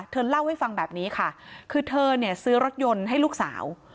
เธอเล่าให้ฟังแบบนี้ค่ะคือเธอเนี่ยซื้อรถยนต์ให้ลูกสาว